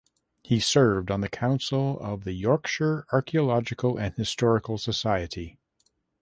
He served on the council of the Yorkshire Archaeological and Historical Society.